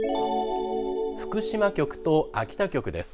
福島局と秋田局です。